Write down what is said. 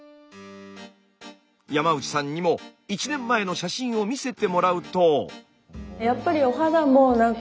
山内さんにも１年前の写真を見せてもらうと。